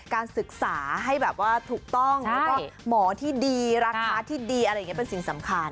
การศึกษาให้แบบว่าถูกต้องแล้วก็หมอที่ดีราคาที่ดีอะไรอย่างนี้เป็นสิ่งสำคัญ